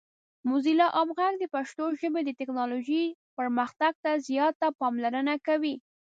موزیلا عام غږ د پښتو ژبې د ټیکنالوجۍ پرمختګ ته زیاته پاملرنه کوي.